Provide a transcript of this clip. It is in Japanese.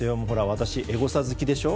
私、エゴサ好きでしょ？